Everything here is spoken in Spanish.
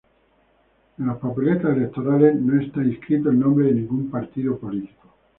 En las papeletas electorales no está inscrito el nombre de ningún partido político.